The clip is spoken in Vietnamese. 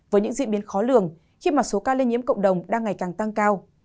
với những diễn biến khó lường khi mà số ca lây nhiễm cộng đồng đang ngày càng tăng cao